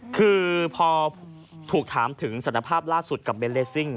คือพอถูกถามถึงสารภาพล่าสุดกับเบนเลสซิ่ง